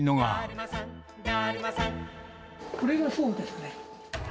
これがそうですね。